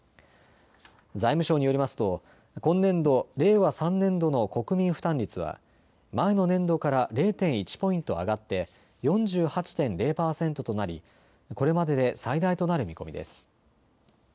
財務省によりますと今年度・令和３年度の国民負担率は前の年度から０．１ポイント上がって４８．０％となりこれまでで最大となる見込みです。